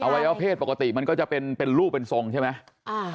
วัยวะเพศปกติมันก็จะเป็นเป็นรูปเป็นทรงใช่ไหม